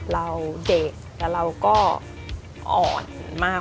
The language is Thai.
เราเด็กแล้วเราก็อ่อนมาก